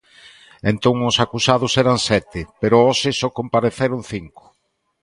Entón os acusados eran sete, pero hoxe só compareceron cinco.